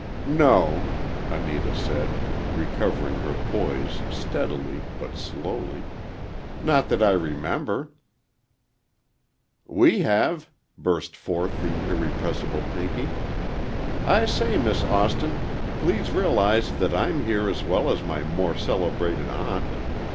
"No," Anita said, recovering her poise steadily but slowly,—"not that I remember." "We have," burst forth the irrepressible Pinky. "I say, Miss Austin, please realize that I'm here as well as my more celebrated aunt!